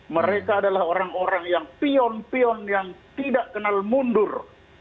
mereka adalah orang orang yang pion pion yang tidak kenal mundur